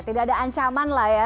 tidak ada ancaman lah ya